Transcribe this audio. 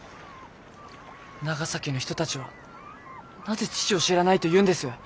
長崎の人たちはなぜ父を知らないと言うんです？